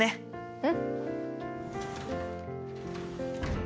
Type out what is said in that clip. うん。